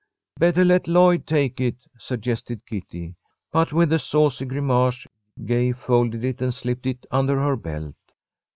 "Better let Lloyd take it," suggested Kitty. But, with a saucy grimace, Gay folded it and slipped it under her belt.